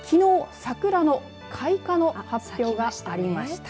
その秋田ではきのう、桜の開花の発表がありました。